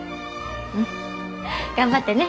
うん頑張ってね。